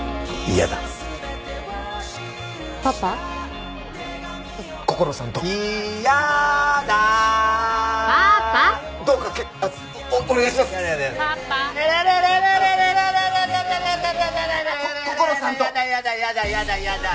やだやだやだやだやだ！